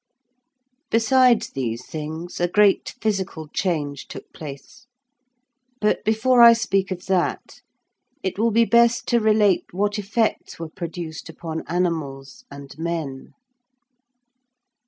Besides these things a great physical change took place; but before I speak of that, it will be best to relate what effects were produced upon animals and men.